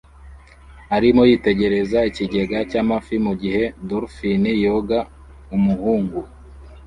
arimo yitegereza ikigega cy'amafi mugihe dolphine yoga umuhungu